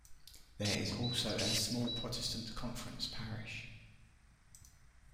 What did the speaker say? There is also a small Protestant Conference parish.